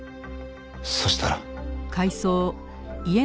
そうしたら。